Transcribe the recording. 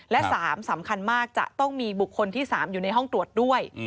และ๓สำคัญมากจะต้องมีบุคคลที่๓อยู่ในห้องตรวจด้วย